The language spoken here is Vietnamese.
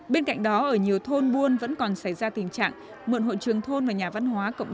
bên cạnh đó ở nhiều thôn buôn vẫn còn xảy ra tình trạng